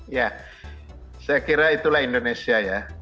ya saya kira itulah indonesia ya